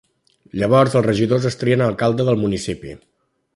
Llavors els regidors es trien alcalde del municipi.